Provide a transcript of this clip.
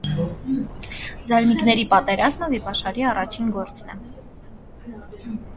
«Զարմիկների պատերազմը» վիպաշարի առաջին գործն է։